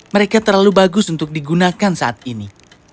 mereka terlalu bagus untuk digunakan saat ini